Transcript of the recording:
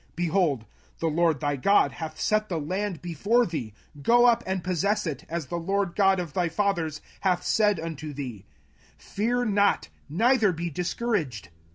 05:001:021 Behold, the LORD thy God hath set the land before thee: go up and possess it, as the LORD God of thy fathers hath said unto thee; fear not, neither be discouraged.